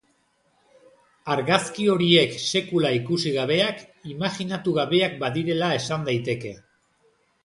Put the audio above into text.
Argazki horiek sekula ikusi gabeak, imajinatu gabeak badirela esan daiteke.